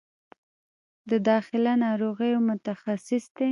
د داخله ناروغیو متخصص دی